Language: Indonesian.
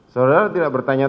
saudara tidak bertanya